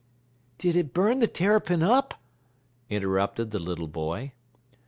"Did it burn the Terrapin up?" interrupted the little boy.